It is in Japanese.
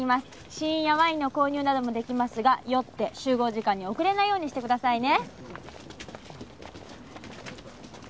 試飲やワインの購入なども出来ますが酔って集合時間に遅れないようにしてくださいね。